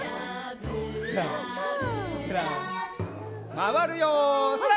まわるよそれ！